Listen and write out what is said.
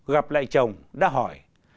gặp lại chồng đã hỏi